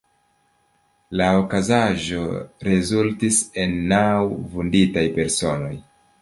La okazaĵo rezultis en naŭ vunditaj personoj.